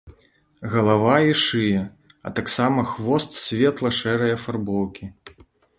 Галава і шыя, а таксама хвост светла-шэрай афарбоўкі.